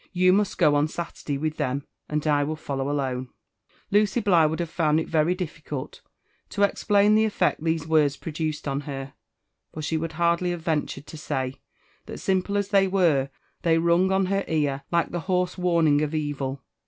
You must go on Saturday with them, and I will follow alone." Lucy Bligh would have found it very difficult to explain the efTect these words produced on her; for she would hardly have ventured to say, that, simple as they were, they rung on her ear like the hoarse warning of evil.